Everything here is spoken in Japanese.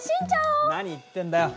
何言ってんだよ！